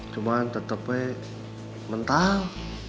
cuman tetepnya mental